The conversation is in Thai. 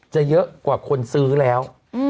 เยอะกว่าคนซื้อแล้ว